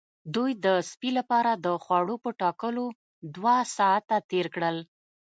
دوی د سپي لپاره د خوړو په ټاکلو دوه ساعته تیر کړل